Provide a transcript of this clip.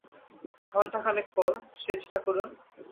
ঘণ্টা খানেক পরে, সেজ ঠাকরুন।